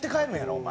お前。